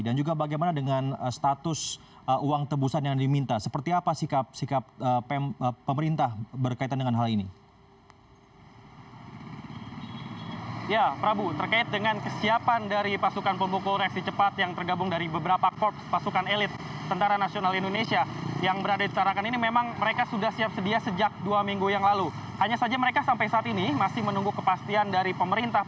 dan juga bagaimana dengan status uang tebusan yang diminta